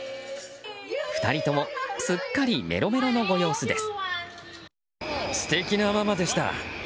２人ともすっかりメロメロのご様子です。